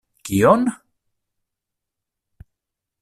Kion?